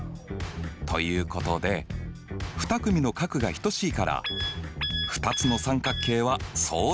ということで２組の角が等しいから２つの三角形は相似と言えるんだ。